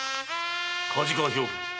⁉梶川兵部